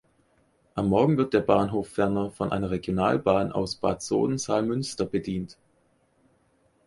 Am Morgen wird der Bahnhof ferner von einer Regionalbahn aus Bad Soden-Salmünster bedient.